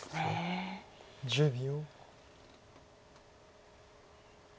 １０秒。